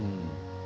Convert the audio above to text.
うん。